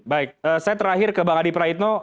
baik saya terakhir ke bang adi praitno